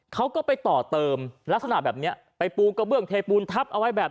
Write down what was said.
เขาก็ไปต่อเติมลักษณะแบบนี้ไปปูกระเบื้องเทปูนทับเอาไว้แบบ